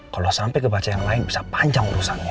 kalau sampai kebaca yang lain bisa panjang urusannya